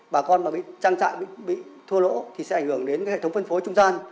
bà con mà bị trang trại bị thua lỗ thì sẽ ảnh hưởng đến hệ thống phân phối trung gian